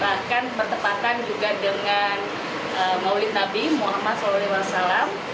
bahkan bertepatan juga dengan maulid nabi muhammad saw